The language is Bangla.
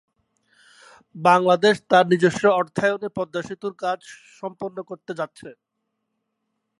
চলচ্চিত্রটির পরিচালক ছিলেন নাসির হুসাইন এবং প্রযোজক ছিলেন তার ভাই তাহির হুসাইন।